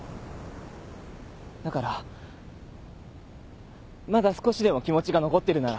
だからまだ少しでも気持ちが残ってるなら。